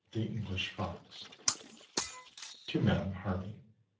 THE ENGLISH FOX. TO MADAME HARVEY.